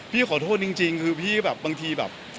พี่ขอโทษจริงคือพี่บางที